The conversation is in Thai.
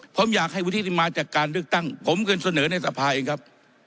ผมอยากให้วุฒิที่มาจากการเลือกตั้งผมเคยเสนอในสภาเองครับ